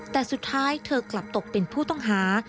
แต่สุดท้ายเธอกลับตกเป็นผู้ต้องหา